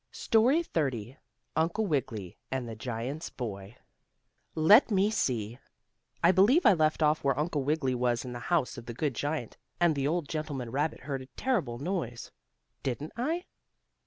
STORY XXX UNCLE WIGGILY AND THE GIANT'S BOY Let me see, I believe I left off where Uncle Wiggily was in the house of the good giant, and the old gentleman rabbit heard a terrible noise. Didn't I?